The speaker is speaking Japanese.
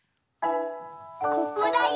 ここだよ。